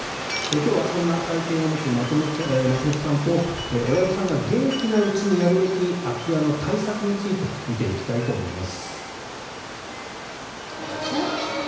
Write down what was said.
今日はそんな体験を持つ松本さんと親御さんが元気なうちにやるべき空き家の対策について見ていきたいと思います。